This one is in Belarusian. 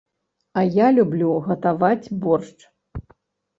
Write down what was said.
А я люблю гатаваць боршч.